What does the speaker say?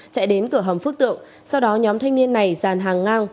chạy đến cửa hầm phước tượng sau đó nhóm thanh niên này dàn hàng ngang